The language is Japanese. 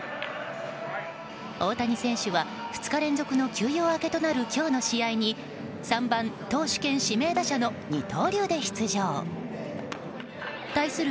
大谷選手は２日連続の休養明けとなる今日の試合に３番投手兼指名打者の二刀流で出場。対する